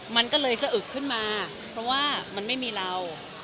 มันก็เลยสะอึกขึ้นมาเพราะว่ามันไม่มีเรา